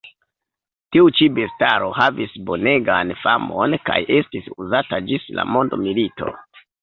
Tiu ĉi bestaro havis bonegan famon kaj estis uzata ĝis la mondmilito.